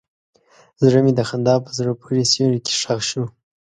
زړه مې د خندا په زړه پورې سیوري کې ښخ شو.